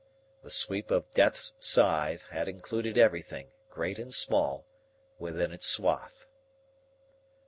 The sweep of death's scythe had included everything, great and small, within its swath.